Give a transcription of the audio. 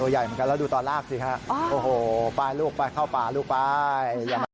ใหญ่เหมือนกันแล้วดูตอนลากสิฮะโอ้โหไปลูกไปเข้าป่าลูกไป